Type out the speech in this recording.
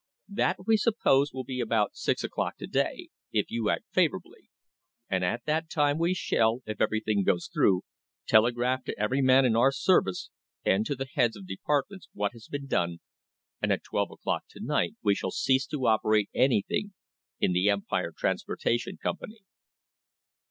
That, we suppose, will be about six o'clock to day, if you act favourably, and at that time we shall, if everything goes through, telegraph to every man in our service, and to the heads of departments what has been done, and at twelve o'clock to night we shall cease to operate anything in the Empire Transportation Company."